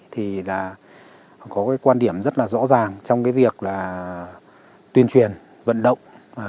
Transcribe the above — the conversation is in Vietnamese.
thì là có cái quan điểm rất là rõ ràng trong cái việc là tuyên truyền vận động